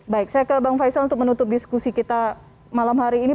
baik saya ke bang faisal untuk menutup diskusi kita malam hari ini